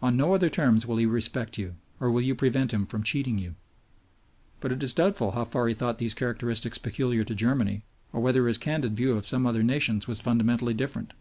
On no other terms will he respect you, or will you prevent him from cheating you. But it is doubtful how far he thought these characteristics peculiar to Germany, or whether his candid view of some other nations was fundamentally different.